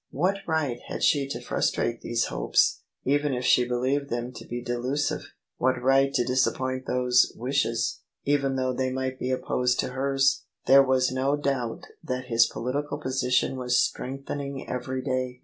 What right had she to frustrate these hopes, even if she believed them to be delu sive: what right to disappoint those wishes, even though th^ might be opposed to hers? There was no doubt that his political position was strengthening every day.